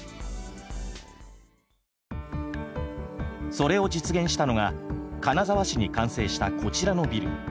それを実現したのが金沢市に完成したこちらのビル。